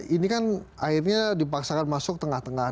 ini kan akhirnya dipaksakan masuk tengah tengah